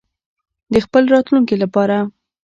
د خپل راتلونکي لپاره.